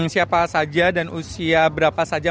siapa saja dan usia berapa saja